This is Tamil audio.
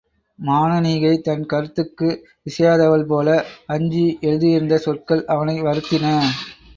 மானனீகை தன் கருத்துக்கு இசையாதவள்போல அஞ்சி எழுதியிருந்த சொற்கள் அவனை வருத்தின.